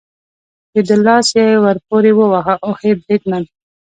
د ده لاس یې ور پورې وواهه، اوهې، بریدمن.